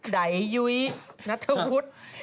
ใดยุ้ยนัทวุฒิ